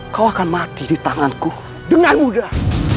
kau akan mati di tanganku dengan mudah